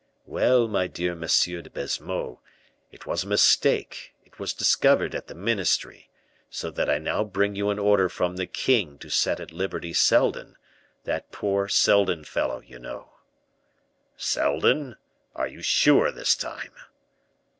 "Well, my dear Monsieur de Baisemeaux, it was a mistake; it was discovered at the ministry, so that I now bring you an order from the king to set at liberty Seldon, that poor Seldon fellow, you know." "Seldon! are you sure this time?"